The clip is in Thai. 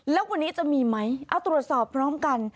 แล้ววันนี้จะมีไหมเอาตรวจสอบพร้อมกัน